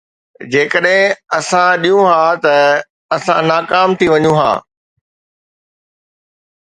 جيڪڏهن اسان ڏيون ها ته اسان ناڪام ٿي وڃون ها